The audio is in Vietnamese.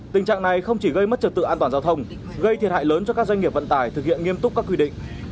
tình trạng này không chỉ gây mất trật tự an toàn giao thông gây thiệt hại lớn cho các doanh nghiệp vận tải thực hiện nghiêm túc các quy định